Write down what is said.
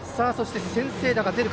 先制打が出るか。